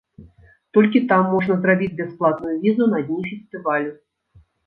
Толькі там можна зрабіць бясплатную візу на дні фестывалю.